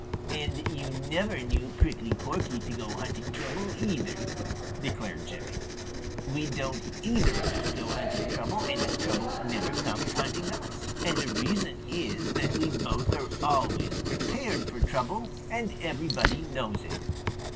"And you never knew Prickly Porky to go hunting trouble either," declared Jimmy. "We don't either of us go hunting trouble, and trouble never comes hunting us, and the reason is that we both are always prepared for trouble and everybody knows it.